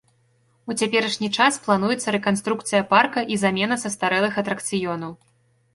У цяперашні час плануецца рэканструкцыя парка і замена састарэлых атракцыёнаў.